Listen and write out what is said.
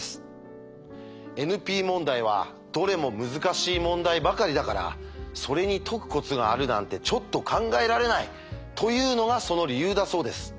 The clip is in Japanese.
ＮＰ問題はどれも難しい問題ばかりだからそれに解くコツがあるなんてちょっと考えられないというのがその理由だそうです。